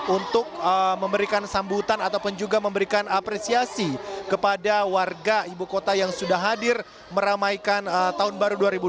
untuk memberikan sambutan ataupun juga memberikan apresiasi kepada warga ibu kota yang sudah hadir meramaikan tahun baru dua ribu dua puluh